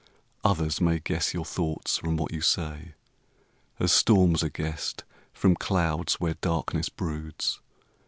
Others may guess your thoughts from what you say, As storms are guessed from clouds where darkness broods.